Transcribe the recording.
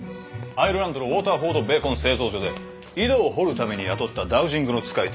アイルランドのウォーターフォード・ベイコン製造所で井戸を掘るために雇ったダウジングの使い手。